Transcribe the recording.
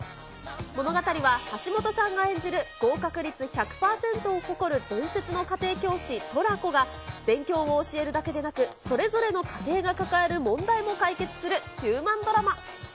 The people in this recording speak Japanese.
物語は、橋本さんが演じる合格率１００％を誇る伝説の家庭教師、トラコが、勉強を教えるだけでなく、それぞれの家庭が抱える問題も解決するヒューマンドラマ。